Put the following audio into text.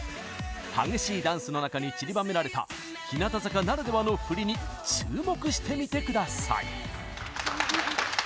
激しいダンスの中にちりばめられた日向坂ならではの振りに注目してみてください。